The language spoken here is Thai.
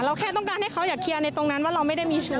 แค่ต้องการให้เขาอย่าเคลียร์ในตรงนั้นว่าเราไม่ได้มีเชื้อ